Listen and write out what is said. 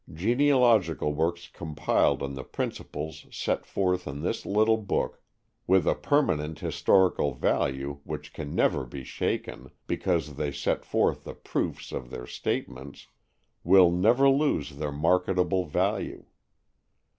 Genealogical works compiled on the principles set forth in this little book, with a permanent historical value which can never be shaken, because they set forth the proofs of their statements, will never lose their marketable value.